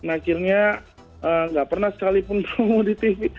akhirnya nggak pernah sekalipun tumbuh di tv